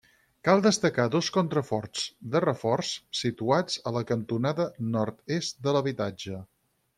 Cal destacar dos contraforts de reforç situats a la cantonada nord-est de l'habitatge.